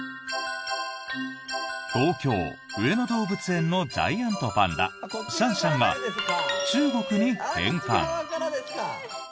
東京・上野動物園のジャイアントパンダシャンシャンが中国に返還。